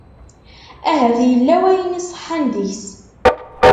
Ahat yella wayen iṣeḥḥan deg-s.